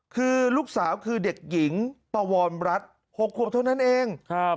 คือลูกสาวคือเด็กหญิงปวรรัฐ๖ขวบเท่านั้นเอง